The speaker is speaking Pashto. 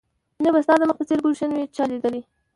نه به ستا د مخ په څېر ګلش وي چا ليدلى